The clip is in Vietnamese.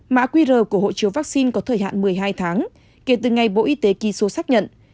mã qr của hộ chiếu vaccine có thời hạn một mươi hai tháng kể từ ngày bộ y tế ký số xác nhận